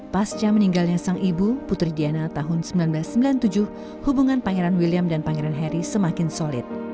pasca meninggalnya sang ibu putri diana tahun seribu sembilan ratus sembilan puluh tujuh hubungan pangeran william dan pangeran harry semakin solid